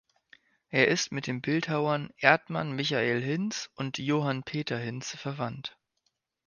Er ist mit den Bildhauern Erdmann-Michael Hinz und Johann-Peter Hinz verwandt.